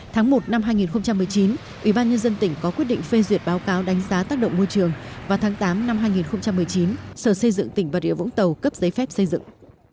tháng một năm hai nghìn một mươi chín ubnd tỉnh có quyết định phê duyệt báo cáo đánh giá tác động môi trường và tháng tám năm hai nghìn một mươi chín sở xây dựng tỉnh bà rịa vũng tàu cấp giấy phép xây dựng